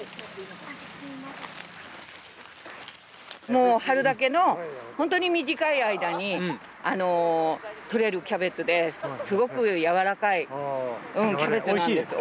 もう春だけの本当に短い間にとれるキャベツですごくやわらかいキャベツなんです。